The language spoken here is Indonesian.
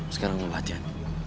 sekarang lo perhatian